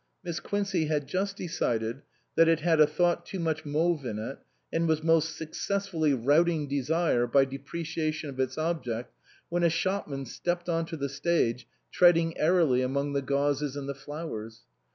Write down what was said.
Miss Quincey had just decided that it had a thought too much mauve in it, and was most successfully routing desire by depreciation of its object when a shopman stepped on to the stage, treading airily among the gauzes and the flowers.